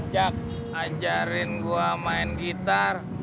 jak ajarin gue main gitar